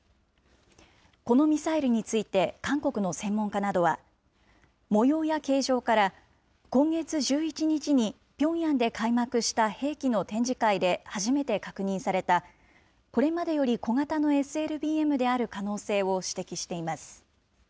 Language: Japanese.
このミサイルについて、韓国の専門家などは、模様や形状から、今月１１日にピョンヤンで開幕した兵器の展示会で初めて確認されたこれまでより小型のＳＬＢＭである可能性を指摘しています。